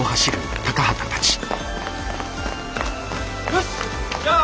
よしじゃあ。